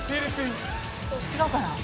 違うかな？